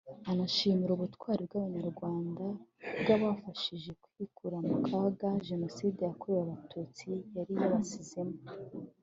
anashimira ubutwari bw’Abanyarwanda bwabafashije kwikura mu kaga Jenoside yakorewe Abatutsi yari yabasizemo